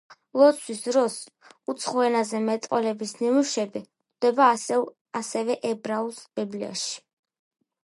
ლოცვის დროს უცხო ენაზე მეტყველების ნიმუშები გვხვდება ასევე ებრაულ ბიბლიაში.